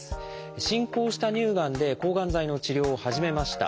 進行した乳がんで抗がん剤の治療を始めました。